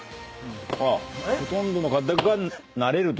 ほとんどの方がなれると。